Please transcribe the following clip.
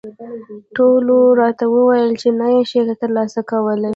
ټولو راته وویل چې نه یې شې ترلاسه کولای.